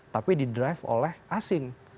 tapi di drive oleh asing